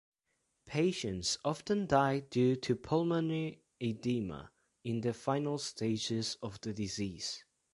Patients often die due to pulmonary edema in the final stages of the disease.